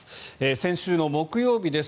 先週の木曜日です。